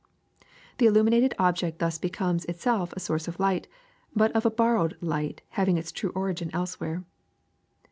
The illuminated object thus becomes itself a source of light, but of a borrowed light having its true origin elsewhere.